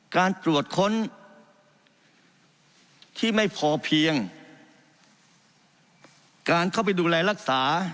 การตรวจค้นที่ไม่พอเพียงการเข้าไปดูแลรักษา